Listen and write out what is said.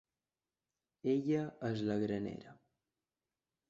Ella és la granera.